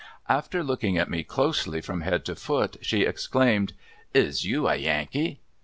After looking at me closely from head to foot, she exclaimed, "Is you a Yankee?"